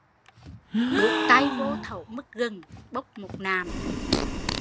Đút tay vô thẩu mứt gừng, bốc một nạm, rút tay không ra